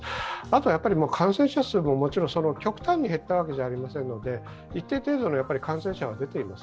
あとは感染者数ももちろん極端に減ったわけではありませんので一定程度の感染者が出ている。